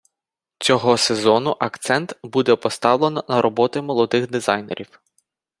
Цього сезону акцент буде поставлено на роботи молодих дизайнерів.